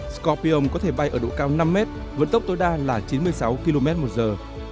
scopyon có thể bay ở độ cao năm m vận tốc tối đa là chín mươi sáu km một giờ